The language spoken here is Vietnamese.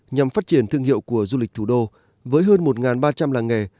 nhằm phát triển thương hiệu của du lịch thủ đô với hơn một ba trăm linh làng nghề